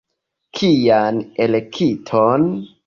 Kian elekton?